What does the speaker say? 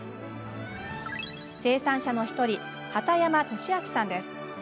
生産者の１人、畑山敏昭さんです。